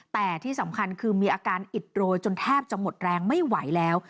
แต่ที่สำคัญคือมีอาการอิดโรยจนแทบจะหมดแรงไม่ไหวแล้ว